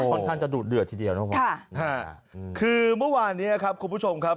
ค่อนข้างจะดูดเดือดทีเดียวนะครับคุณผู้ชมครับ